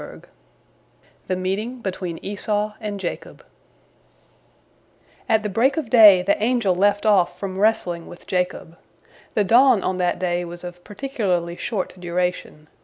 THE MEETING BETWEEN ESAU AND JACOB At the break of day the angel left off from wrestling with Jacob. The dawn on that day was of particularly short duration.